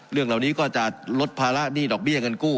เรื่องเหล่านี้ก็จะลดภาระหนี้ดอกเบี้ยเงินกู้